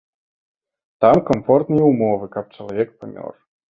Там камфортныя ўмовы, каб чалавек памёр.